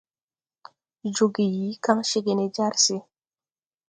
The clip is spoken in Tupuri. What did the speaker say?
Jooge yii kaŋ cégè ne jar se.